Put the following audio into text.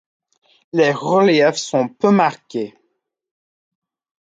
Les reliefs sont peu marqués.